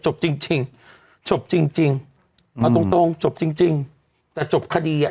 จบจริงจริงจบจริงจริงเอาตรงตรงจบจริงจริงแต่จบคดีอ่ะ